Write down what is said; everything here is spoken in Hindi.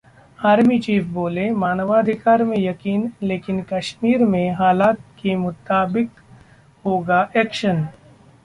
आर्मी चीफ बोले- मानवाधिकार में यकीन, लेकिन कश्मीर में हालात के मुताबिक होगा एक्शन